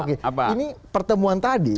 ini pertemuan tadi